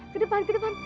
ke depan ke depan